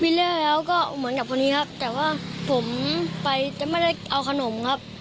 เลอร์แล้วก็เหมือนกับคนนี้ครับแต่ว่าผมไปจะไม่ได้เอาขนมครับ